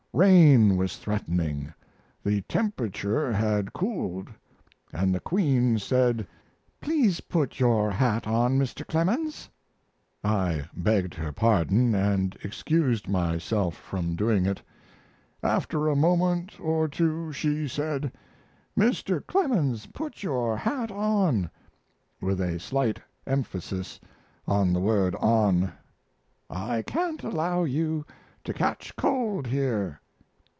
Rain was threatening, the temperature had cooled, and the Queen said, "Please put your hat on, Mr. Clemens." I begged her pardon and excused myself from doing it. After a moment or two she said, "Mr. Clemens, put your hat on" with a slight emphasis on the word "on" "I can't allow you to catch cold here."